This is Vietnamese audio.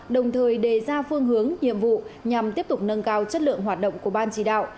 đồng thời đề ra phương hướng nhiệm vụ nhằm tiếp tục nâng cao chất lượng hoạt động của ban chỉ đạo